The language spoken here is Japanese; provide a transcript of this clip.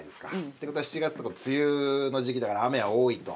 ってことは７月だと梅雨の時期だから雨は多いと。